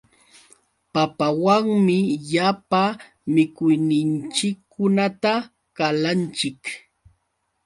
Papawanmi llapa mikuyninchikkunata qalanchik.